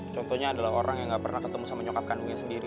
contohnya adalah orang yang gak pernah ketemu sama nyokap kandungnya sendiri